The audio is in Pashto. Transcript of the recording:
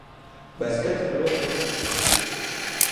بایسکل چلول زړه خوشحاله کوي.